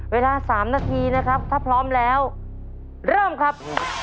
เวลา๓นาทีนะครับถ้าพร้อมแล้วเริ่มครับ